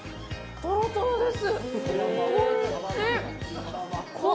とろとろです。